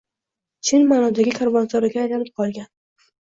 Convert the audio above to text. Chin maʼnodagi karvonsaroyga aylanib qolgan